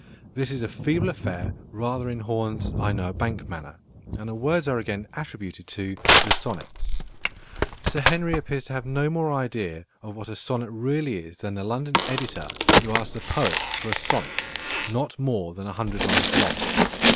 This is a feeble affair rather in Horn's "I know a bank" manner, and the words are again attributed to "The Sonnets." Sir Henry appears to have no more idea of what a sonnet really is than the London editor who asked a poet for a sonnet "not more than a hundred lines long."